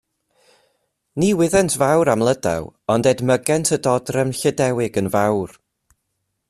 Ni wyddent fawr am Lydaw, ond edmygent y dodrefn Llydewig yn fawr.